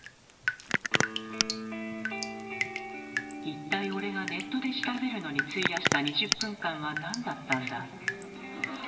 一体俺がネットで調べるのに費やした２０分間はなんだったんだ。